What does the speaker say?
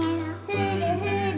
ふるふる。